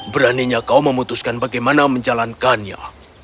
beraninya kau memutuskan bagaimana menjalankannya